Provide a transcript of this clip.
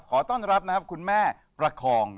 ขอต้อนรับนะครับคุณแม่ประคอง